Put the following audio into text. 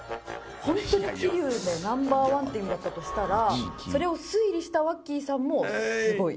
ホントに桐生でナンバーワンって意味だったとしたらそれを推理したワッキーさんもすごい。